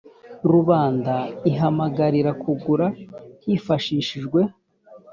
rubanda ihamagarirwa kugura hifashishijwe